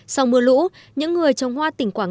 sau mưa lũ những người trồng hoa tỉnh quảng ngãi